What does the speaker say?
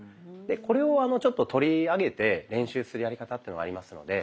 これをちょっと取り上げて練習するやり方っていうのがありますので。